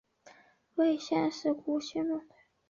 尉犁县是古西域的渠犁国所在地。